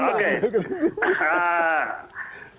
terakhir nih kejutannya seperti apa